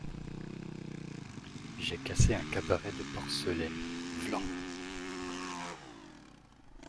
J’ai cassé un cabaret de porcelaine, vlan !